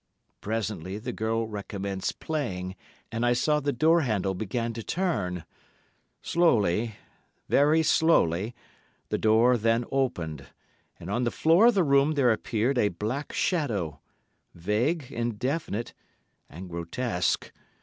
Presently the girl recommenced playing, and I saw the door handle began to turn. Slowly, very slowly, the door then opened, and on the floor of the room there appeared a black shadow—vague, indefinite and grotesque.